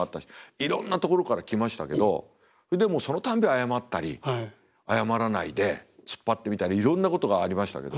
いろんなところから来ましたけどでもそのたんび謝ったり謝らないで突っ張ってみたりいろんなことがありましたけど